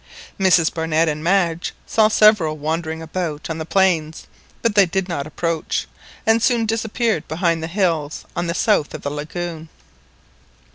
Mrs Barnett and Madge saw several wandering about on the plains, but they did not approach, and soon disappeared behind the hills on the south of the lagoon.